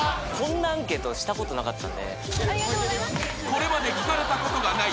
［これまで聞かれたことがない